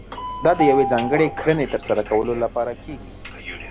دا د يوې ځانګړې کړنې ترسره کولو لپاره کېږي.